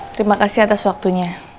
terima kasih atas waktunya